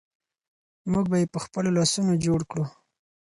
موږ به یې په خپلو لاسونو جوړ کړو.